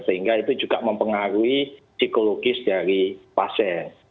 sehingga itu juga mempengaruhi psikologis dari pasien